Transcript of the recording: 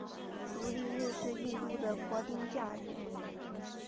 独立日是印度的国定假日。